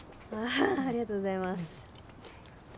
ありがとうございます。